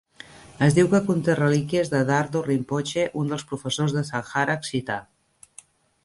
Es diu que conté relíquies de Dhardo Rimpoche, un dels professors de Sangharakshita.